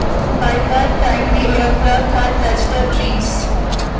By that time the aircraft had touched the trees.